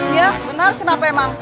iya benar kenapa emang